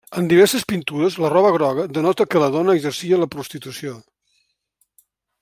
En diverses pintures la roba groga denota que la dona exercia la prostitució.